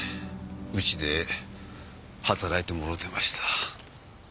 うちで働いてもろてました。